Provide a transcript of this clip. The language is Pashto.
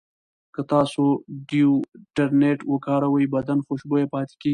که تاسو ډیوډرنټ وکاروئ، بدن خوشبویه پاتې کېږي.